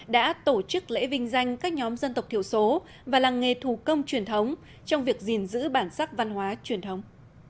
đã tổ chức lễ vinh danh các nhóm dân tộc thiểu số và làng nghề thủ công truyền thống trong việc gìn giữ bản sắc văn hóa truyền thống